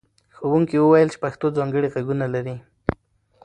ښوونکي وویل چې پښتو ځانګړي غږونه لري.